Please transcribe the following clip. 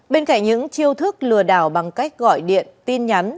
bên cạnh những chiêu thức lừa đảo bằng cách gọi điện tin nhắn